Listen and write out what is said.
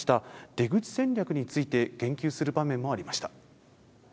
出口戦略について言及する場面もありました。